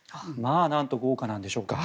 なんと豪華なんでしょうか。